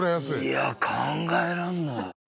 いやあ考えられない。